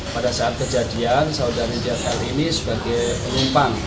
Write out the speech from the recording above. pada saat kejadian saudaranya hari ini sebagai penumpang